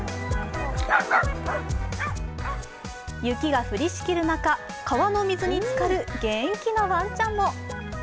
雪が降りしきる中、川の水につかる元気なワンちゃんも。